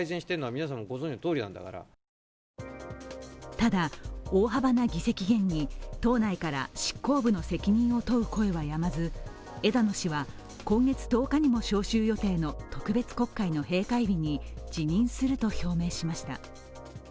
ただ、大幅な議席減に党内から執行部の責任を問う声はやまず枝野氏は今月１０日も召集予定の特別国会の閉会日に辞任すると表明しました。